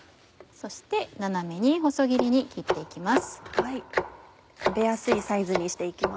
そして縦に薄切りに切って行きます。